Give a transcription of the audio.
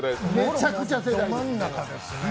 めちゃくちゃ世代です。